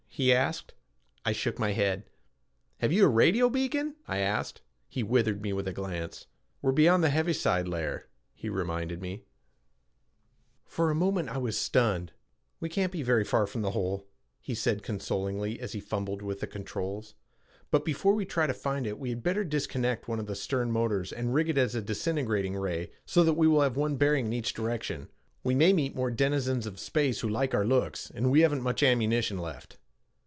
he asked. I shook my head. "Have you a radio beacon?" I asked. He withered me with a glance. "We're beyond the heaviside layer," he reminded me. For a moment I was stunned. "We can't be very far from the hole," he said consolingly as he fumbled with the controls. "But before we try to find it, we had better disconnect one of the stern motors and rig it as a disintegrating ray so that we will have one bearing in each direction. We may meet more denizens of space who like our looks, and we haven't much ammunition left."